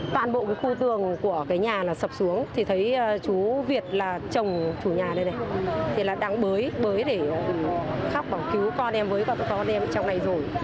toàn bộ khu tường của nhà sập xuống chú việt là chồng chủ nhà này đang bới để khóc bảo cứu con em với con em trong này rồi